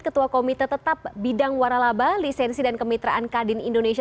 ketua komite tetap bidang waralaba lisensi dan kemitraan kadin indonesia